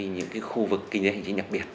những khu vực kinh tế hành trình nhập biệt